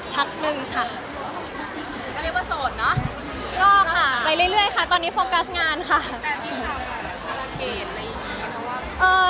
แต่ไม่ทำทาราเขตอะไรอย่างนี้